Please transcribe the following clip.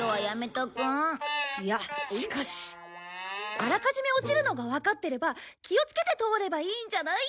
あらかじめ落ちるのがわかってれば気をつけて通ればいいんじゃない？